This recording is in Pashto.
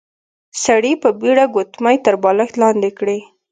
سړي په بيړه ګوتمۍ تر بالښت لاندې کړې.